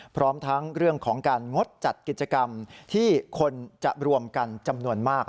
พร้อมทั้งเรื่องของการงดจัดกิจกรรมที่คนจะรวมกันจำนวนมาก